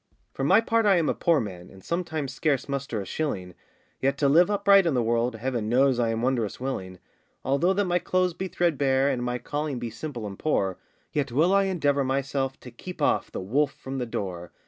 For my part I am a poor man, And sometimes scarce muster a shilling, Yet to live upright in the world, Heaven knows I am wondrous willing. Although that my clothes be threadbare, And my calling be simple and poor, Yet will I endeavour myself To keep off the wolf from the door.